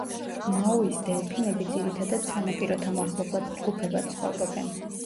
მაუის დელფინები ძირითადად სანაპიროთა მახლობლად ჯგუფებად ცხოვრობენ.